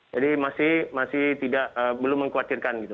jadi masih belum mengkhawatirkan